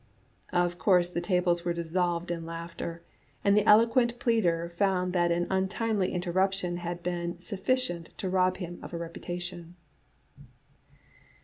' Of course the tables were dissolved in laughter, and the eloquent pleader found that an untimely interruption had been sufficient to rob him of a reputation."